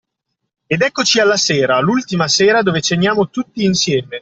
Ed eccoci alla sera, l’ultima sera dove ceniamo tutti insieme